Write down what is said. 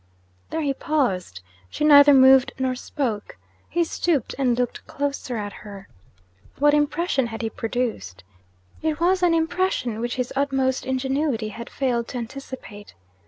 There he paused. She neither moved nor spoke. He stooped and looked closer at her. What impression had he produced? It was an impression which his utmost ingenuity had failed to anticipate.